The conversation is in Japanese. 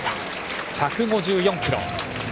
１５４キロ。